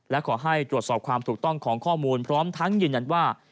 และขอให้ตรวจสอบความถูกต้องของข้อมูลพร้อมทั้งยืนยันว่า